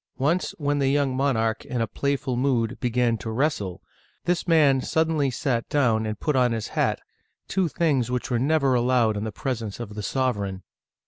Once, when the young monarch, in playful mood, began to wrestle, this man suddenly sat down and put on his hat, two things which were never allowed in the presence of the sovereign.